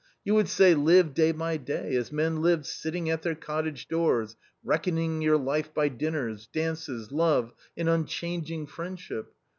You would say — live day by day, as men lived sitting at their cottage doors, reckon your life by dinners, dances, love, and unchanging friendship.